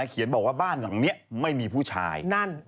เขียนบอกว่าบ้านหลังนี้ไม่มีผู้ชาย